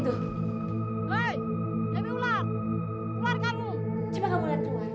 coba kamu lihat keluar